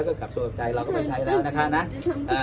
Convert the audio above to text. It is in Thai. ก็กับตัวภันใจเราก็ไม่ใช้แล้วนะฮะนะเอ่อ